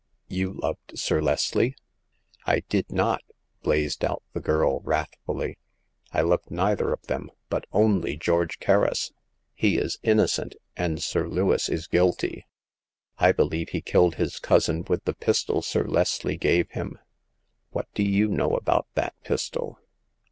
You loved Sir Leslie?" I did not !" blazed out the girl, wrathfuUy. I loved neither of them, but only George Kerris. He is innocent, and Sir Lewis is guilty. I be lieve he killed his cousin with the pistol Sir Leslie gave him." What do you know about that pistol